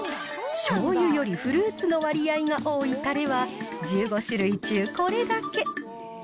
しょうゆよりフルーツの割合が多いたれは、１５種類中、これだけ。